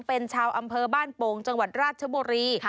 เป็นชาวอำเภอบ้านโป่งจังหวัดราชบุรี